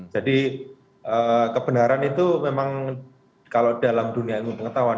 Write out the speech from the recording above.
jadi kebenaran itu memang kalau dalam dunia ilmu pengetahuan